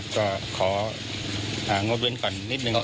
ก็ของ้อเงินก่อนนิดหนึ่งครับ